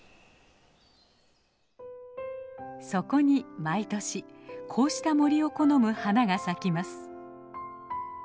そこに毎年こうした森を好む花が咲きます。